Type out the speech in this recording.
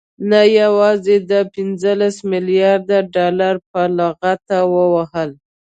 نه يوازې دا پنځلس مليارده ډالر په لغته ووهل،